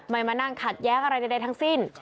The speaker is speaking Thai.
มานั่งขัดแย้งอะไรใดทั้งสิ้น